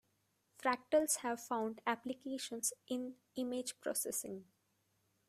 Fractals have found applications in image processing.